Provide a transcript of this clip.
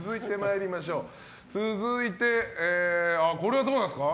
続いて、これはどうなんですか？